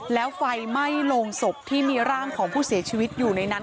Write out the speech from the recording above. แล้วไฟไหม้โรงศพที่มีร่างของผู้เสียชีวิตอยู่ในนั้น